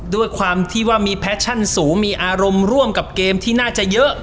ด้วยความที่ว่ามีแฟชั่นสูงมีอารมณ์ร่วมกับเกมที่น่าจะเยอะ